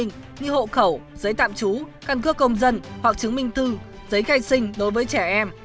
như hộ khẩu giấy tạm trú căn cước công dân hoặc chứng minh tư giấy gai sinh đối với trẻ em